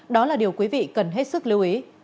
đó là điều quý vị cần hết sức lưu ý